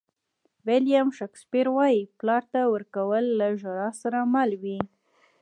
ویلیام شکسپیر وایي پلار ته ورکول له ژړا سره مل وي.